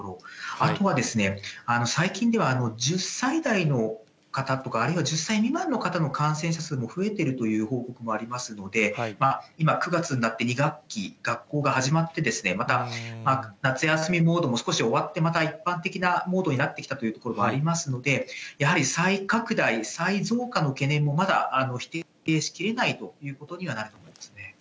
あとは、最近では１０歳代の方とか、あるいは１０歳未満の方の感染者数も増えているという報告もありますので、今、９月になって２学期、学校が始まって、また夏休みモードも少し終わって、また一般的なモードになってきたというところもありますので、やはり再拡大、再増加の懸念もまだ否定しきれないということにはなっていますね。